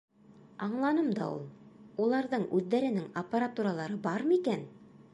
Аңланым да ул. Уларҙың үҙҙәренең аппаратуралары бармы икән?